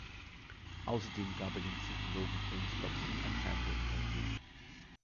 Außerdem gab er dem Psychologen James Dobson ein Fernsehinterview.